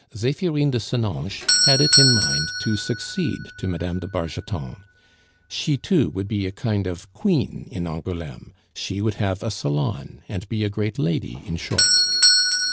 Zephirine de Senonches had it in mind to succeed to Mme. de Bargeton; she, too, would be a kind of queen in Angouleme; she would have "a salon," and be a great lady, in short.